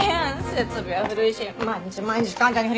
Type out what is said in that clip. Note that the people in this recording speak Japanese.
設備は古いし毎日毎日患者に振り回されて。